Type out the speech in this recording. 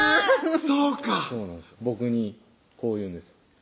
そうか僕にこう言うんです